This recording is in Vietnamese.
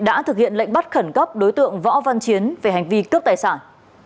đã thực hiện lệnh bắt khẩn cấp đối tượng võ văn chiến về hành vi cướp tài sản